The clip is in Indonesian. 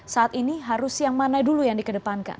saat ini harus yang mana dulu yang di kedepankan